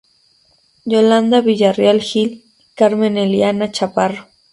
Yolanda Villareal Gil, Carmen Eliana Chaparro.